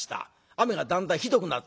雨がだんだんひどくなる。